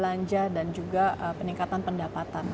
untuk peningkatan belanja dan juga peningkatan pendapatan